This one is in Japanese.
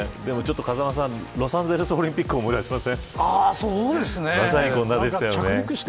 風間さん、ロサンゼルスオリンピックをそうですね。